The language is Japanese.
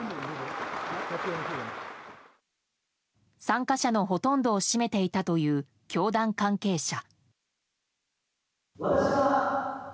参加者のほとんどを占めていたという教団関係者。